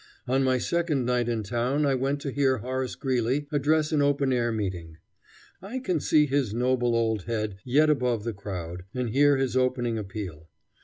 On my second night in town I went to hear Horace Greeley address an open air meeting. I can see his noble old head yet above the crowd, and hear his opening appeal.